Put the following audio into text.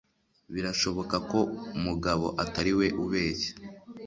Birashoboka ko mugabo atariwe ubeshya